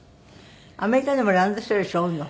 アメリカでもランドセル背負うの？